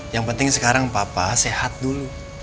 yang penting sekarang papa sehat dulu